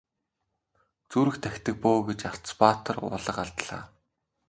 Зүрх тахидаг бөө гэж Арц баатар уулга алдлаа.